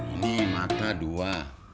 ini mata dua